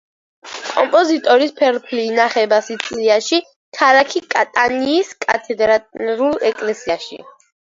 კომპოზიტორის ფერფლი ინახება სიცილიაში, ქალაქი კატანიის კათედრალურ ეკლესიაში.